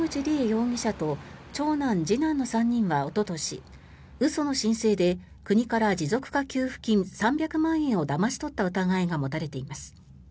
容疑者と長男、次男の３人はおととし嘘の申請で国から持続化給付金３００万円をだまし取った疑いが持たれています。